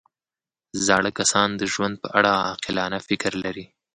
زاړه کسان د ژوند په اړه عاقلانه فکر لري